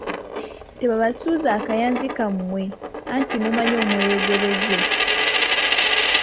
Tebabasuuza akayanzi kammwe, anti mumumanyi omweyogereze!